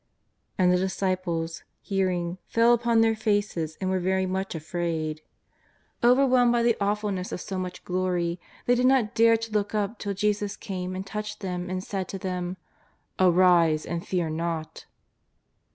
^And the disciples, hearing, fell upon their faces and were very much afraid. Overwhelmed by the awful ness of so much glory, they did not dare to look up till Jesus came and touched them and said to them; "Arise, and fear not